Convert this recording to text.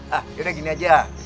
hah yaudah gini aja